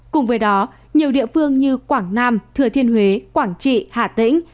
cùng với đó nhiều địa phương như quảng nam thừa thiên huế quảng trị hà tĩnh